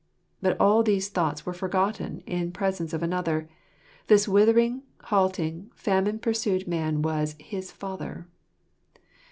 But all these thoughts were forgotten in presence of another ; this withered, halting, famine pursued man was his father.